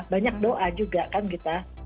banyak doa juga kan kita